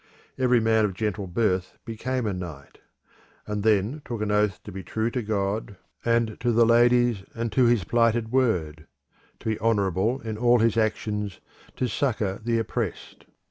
Every man of gentle birth became a knight, and then took an oath to be true to God and to the ladies and to his plighted word; to be honourable in all his actions, to succour the oppressed.